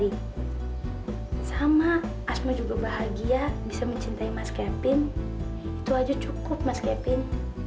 kamu sudah ketemu kevin